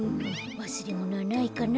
わすれものはないかな